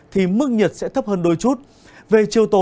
thì mức nhiệt sẽ thấp hơn đôi chút